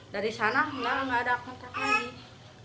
dari sana malah nggak ada kontak lagi